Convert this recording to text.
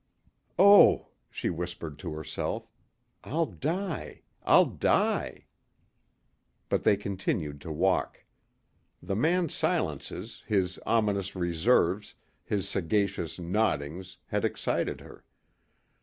"Oh," she whispered to herself, "I'll die. I'll die." But they continued to walk. The man's silences, his ominous reserves, his sagacious noddings had excited her.